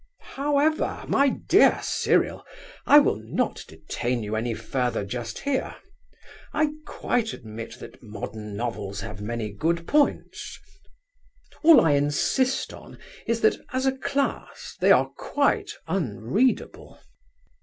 However, my dear Cyril, I will not detain you any further just here. I quite admit that modern novels have many good points. All I insist on is that, as a class, they are quite unreadable.